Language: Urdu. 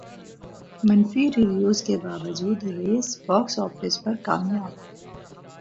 منفی ریویوز کے باوجود ریس باکس افس پر کامیاب